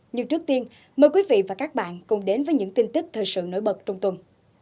nhưng trước tiên mời quý vị và các bạn cùng đến với những tin tức thời sự nổi bật trong tuần